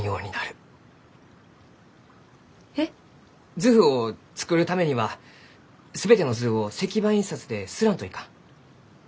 図譜を作るためには全ての図を石版印刷で刷らんといかん。